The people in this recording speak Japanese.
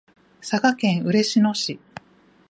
佐賀県嬉野市